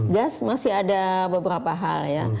just masih ada beberapa hal ya